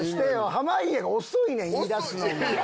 濱家が遅いねん言いだすのも。